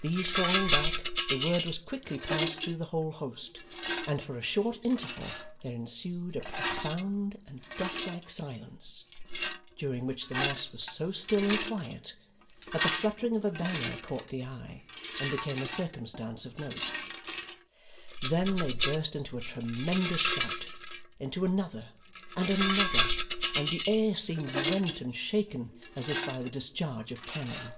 These falling back, the word was quickly passed through the whole host, and for a short interval there ensued a profound and deathlike silence, during which the mass was so still and quiet, that the fluttering of a banner caught the eye, and became a circumstance of note. Then they burst into a tremendous shout, into another, and another; and the air seemed rent and shaken, as if by the discharge of cannon.